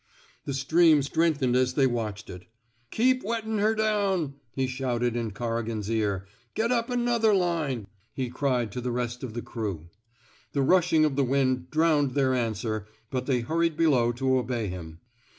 The stream strengthened as they watched it. Keep wettin* her down, he shouted in Corrigan*s ear. Get up another line, he cried to the rest of the crew. The rushing of the wind drowned their answer, but they hurried below to obey him.